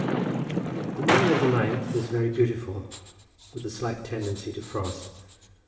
The morning of the ninth was very beautiful, with a slight tendency to frost.